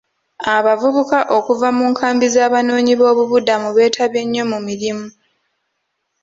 Abavubuka okuva mu nkambi z'abanoonyi b'obubuddamu beetabye nnyo mu mirimu.